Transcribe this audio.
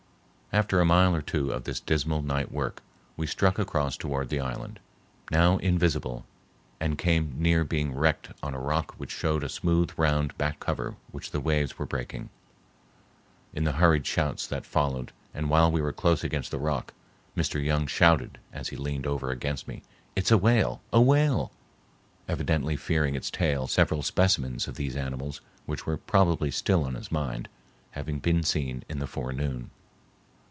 After a mile or two of this dismal night work we struck across toward the island, now invisible, and came near being wrecked on a rock which showed a smooth round back over which the waves were breaking. In the hurried Indian shouts that followed and while we were close against the rock, Mr. Young shouted, as he leaned over against me, "It's a whale, a whale!" evidently fearing its tail, several specimens of these animals, which were probably still on his mind, having been seen in the forenoon.